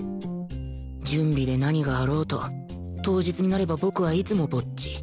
準備で何があろうと当日になれば僕はいつもぼっち